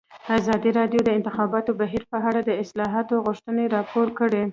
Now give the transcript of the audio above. ازادي راډیو د د انتخاباتو بهیر په اړه د اصلاحاتو غوښتنې راپور کړې.